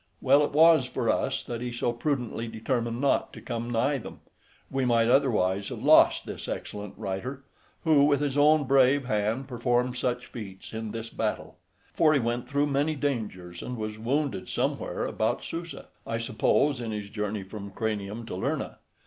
Well it was for us that he so prudently determined not to come nigh them; we might otherwise have lost this excellent writer, who with his own brave hand performed such feats in this battle; for he went through many dangers, and was wounded somewhere about Susa, I suppose, in his journey from Cranium to Lerna.